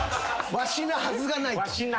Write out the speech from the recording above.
わしなはずがない。